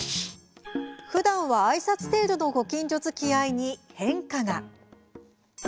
ふだんは、あいさつ程度のご近所づきあいに変化が。